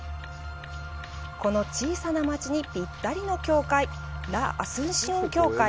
この小さな街にぴったりの教会、ラ・アスンシオン教会。